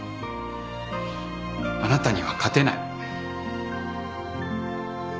あなたには勝てない。